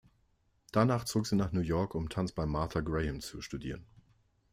Danach zog sie nach New York, um Tanz bei Martha Graham zu studieren.